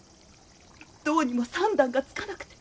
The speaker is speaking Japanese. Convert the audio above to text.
どうにも算段がつかなくて。